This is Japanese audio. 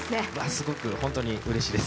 すごく、本当にうれしいです。